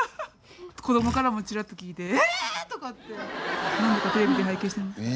子どもからもちらっと聞いて「えっ⁉」とかって。テレビで拝見してます。